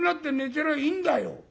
てりゃいいんだよ」。